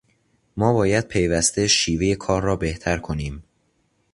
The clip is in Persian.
ما باید پیوسته شیوهٔ کار را بهتر کنیم.